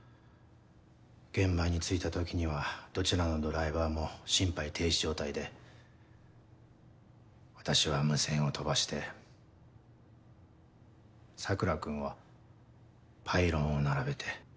現場に着いた時にはどちらのドライバーも心肺停止状態で私は無線を飛ばして桜君はパイロンを並べて。